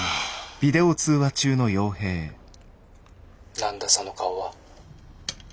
「何だその顔は」。